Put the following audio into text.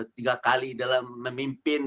tiga kali dalam memimpin